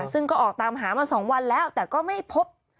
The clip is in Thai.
ซึ่งก็ออกตามหามา๒วันแล้วแต่ก็ไม่พบ